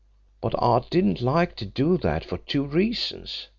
But I didn't like to do that for two reasons.